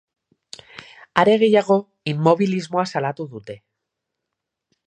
Are gehiago, inmobilismoa salatu dute.